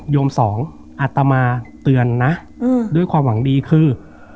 โยมสองอัตมาเตือนนะด้วยความหวังดีคือ